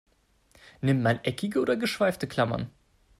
Nimmt man eckige oder geschweifte Klammern?